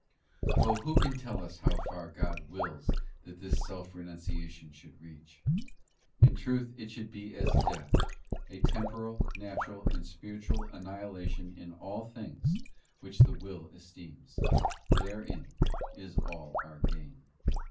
O who can tell us how far God wills that this self ; renunciation should reach! In truth it should be as death, a temporal, natural, and spiritual annihilation in all things which the will esteems ; herein is all our gain.